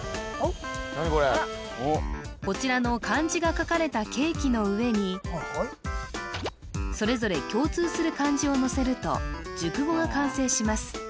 こちらの漢字が書かれたケーキの上にそれぞれ共通する漢字をのせると熟語が完成します